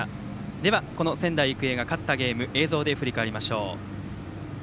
では仙台育英が勝ったゲーム映像で振り返りましょう。